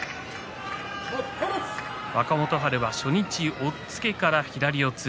若元春は初日押っつけから左四つ。